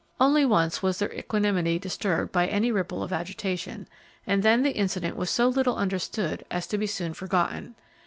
Only once was their equanimity disturbed by any ripple of agitation, and then the incident was so little understood as to be soon forgotten.